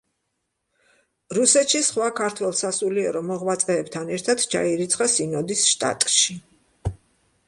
რუსეთში სხვა ქართველ სასულიერო მოღვაწეებთან ერთად ჩაირიცხა სინოდის შტატში.